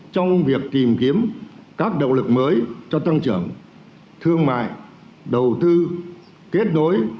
trong việc tìm kiếm các động lực mới cho tăng trưởng thương mại đầu tư kết nối